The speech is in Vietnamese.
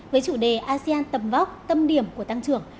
với chủ đề asean tầm vóc tâm điểm của tăng trưởng